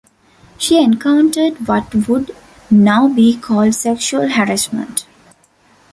She encountered what would now be called sexual harassment.